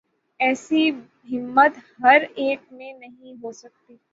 ایسی ہمت ہر ایک میں نہیں ہو سکتی۔